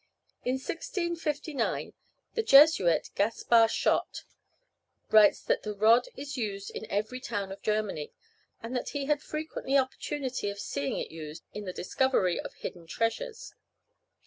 In 1659 the Jesuit Gaspard Schott writes that the rod is used in every town of Germany, and that he had frequent opportunity of seeing it used in the discovery of hidden treasures.